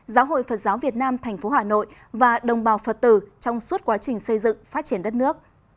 giáo hội phật giáo việt nam tp hà nội và đồng bào phật tử trong suốt quá trình xây dựng phát triển đất nước